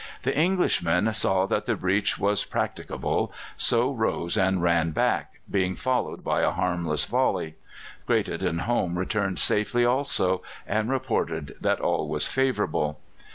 The Englishmen saw that the breach was practicable, so rose and ran back, being followed by a harmless volley. Greathed and Home returned safely also, and reported that all was favourable.